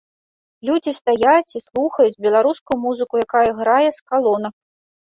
Людзі стаяць і слухаюць беларускую музыку, якая іграе з калонак.